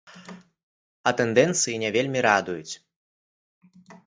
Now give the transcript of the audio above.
А тэндэнцыі не вельмі радуюць.